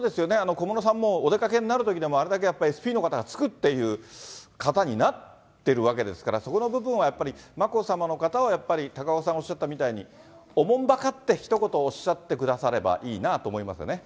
小室さんもお出かけになるときでも、あれだけやっぱり、ＳＰの方がつくっていう方になってるわけですから、そこの部分はやっぱり、眞子さまのことを、高岡さん、おっしゃったみたいに、慮って、ひと言おっしゃってくれればいいなと思いますよね。